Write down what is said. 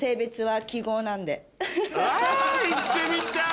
あ言ってみたい！